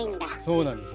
そうなんです。